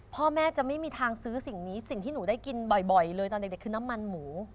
พ่อแม่จะไม่มีทางซื้อสิ่งนี้สิ่งที่หนูได้กินบ่อยเลยตอนเด็กคือน้ำมันหมู